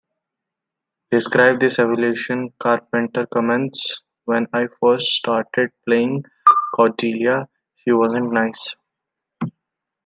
Describing this evolution, Carpenter comments, When I first started playing Cordelia, she wasn't nice.